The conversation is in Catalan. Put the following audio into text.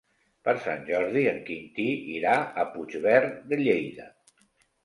Per Sant Jordi en Quintí irà a Puigverd de Lleida.